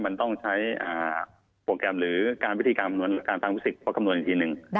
มันต้องใช้โปรแกรมหรือการวิธีการคำนวณอีกทีหนึ่ง